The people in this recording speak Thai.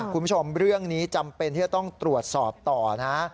คุณผู้ชมเรื่องนี้จำเป็นที่จะต้องตรวจสอบต่อนะ